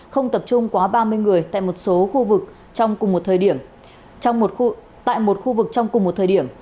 không tập trung quá ba mươi người tại một số khu vực trong cùng một thời điểm